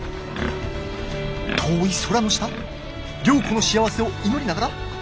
遠い空の下、良子の幸せを祈りながら。